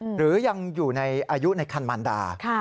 หรือยังอยู่ในอายุในคันมันดา